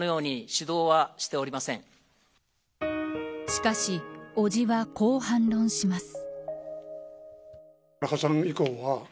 しかし、伯父はこう反論します。